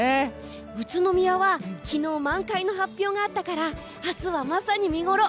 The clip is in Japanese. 宇都宮は昨日、満開の発表があったから明日は、まさに見ごろ。